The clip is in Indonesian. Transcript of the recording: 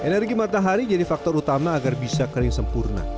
energi matahari jadi faktor utama agar bisa kering sempurna